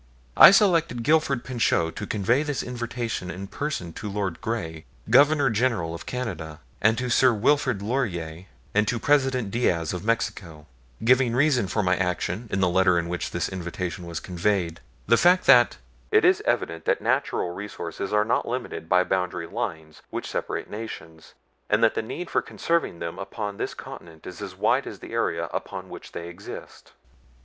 I selected Gifford Pinchot to convey this invitation in person to Lord Grey, Governor General of Canada; to Sir Wilfrid Laurier; and to President Diaz of Mexico; giving as reason for my action, in the letter in which this invitation was conveyed, the fact that: "It is evident that natural resources are not limited by the boundary lines which separate nations, and that the need for conserving them upon this continent is as wide as the area upon which they exist."